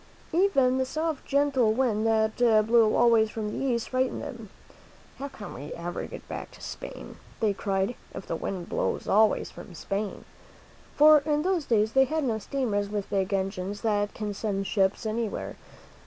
Even the soft, gen tle wind that blew always from the east fright ened them. " How can we ever get back to Spain," they cried, "if the wind blows always away from Spain?" For in those days they had no steamers, with big engines that can send ships anywhere.